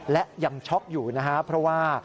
และยังช็อกอยู่นะครับเพราะว่า